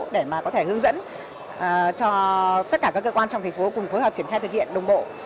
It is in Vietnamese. để mà có thể hướng dẫn cho tất cả các cơ quan trong thành phố cùng phối hợp triển khai thực hiện đồng bộ